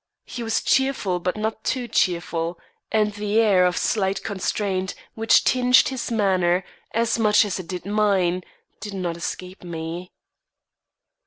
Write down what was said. He was cheerful but not too cheerful; and the air of slight constraint which tinged his manner, as much as it did mine, did not escape me.